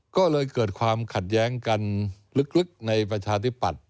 ก็เลยเกิดความขัดแย้งกันลึกในประชาธิปัตย